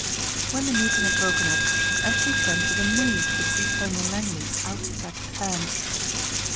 When the meeting had broken up Anthony Trent was amazed to see Colonel Langley's outstretched hand.